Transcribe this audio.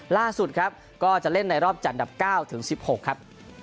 ล่าสุดครับก็จะเล่นในรอบจัดอันดับ๙ถึง๑๖ครับ